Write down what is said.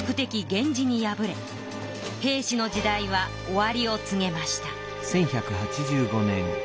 源氏に敗れ平氏の時代は終わりを告げました。